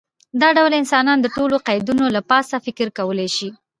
دا ډول انسان د ټولو قیدونو له پاسه فکر کولی شي.